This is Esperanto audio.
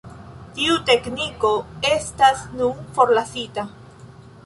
Tiu tekniko estas nun forlasita.